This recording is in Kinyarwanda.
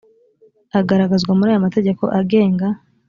agaragazwa muri aya mategeko agenga